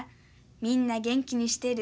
みんな元気にしてる？